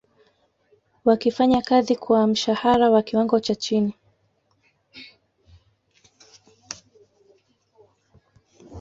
wakifanya kazi kwa mshahara wa kiwango cha chini